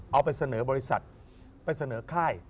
เอาไปเสนอบริษัทไปเสนอค่าย